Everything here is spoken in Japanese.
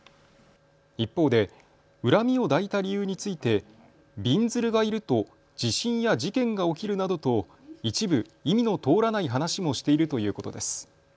一方で恨みを抱いた理由についてびんずるがいると地震や事件が起きるなどと一部意味の通らない話もしているということです。